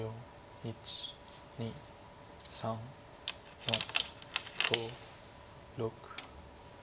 １２３４５６。